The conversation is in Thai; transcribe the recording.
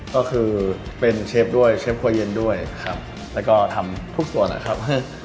ก็คือเป็นเชฟด้วยเชฟครัวเย็นด้วยครับแล้วก็ทำทุกส่วนนะครับ